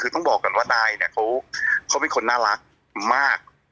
คือต้องบอกว่าตายเขาเป็นน่ารักมาก